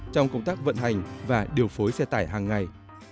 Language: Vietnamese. trong công tác vận hành và điều phối xe tải hàng ngày